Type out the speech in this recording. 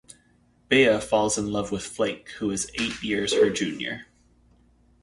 Bea falls in love with Flake, who is eight years her junior.